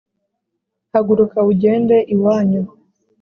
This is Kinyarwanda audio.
haguruka ugende iwanyu